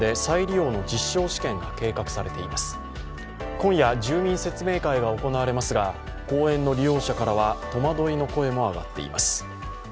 今夜、住民説明会が行われますが公園の利用者からは戸惑いの声も上がっています。